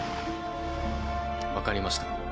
分かりました。